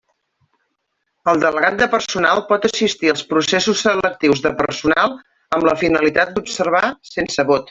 El delegat de personal pot assistir als processos selectius de personal amb la finalitat d'observar, sense vot.